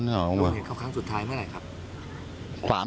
คุณเห็นเข้าค้างสุดท้ายเมื่อไหนครับ